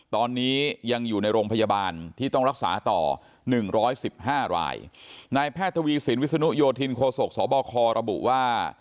ตอนนี้ยังอยู่ในโรงพยาบาลที่ต้องรักษาต่อหนึ่งร้อยสิบห้ารายนายแพทย์ทวีสินวิศนุโยธินโคศกสบคระบุว่า